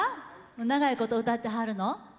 長いこと歌ってはるの？